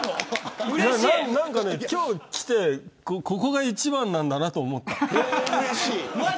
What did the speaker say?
今日、来てここが一番なんだなと。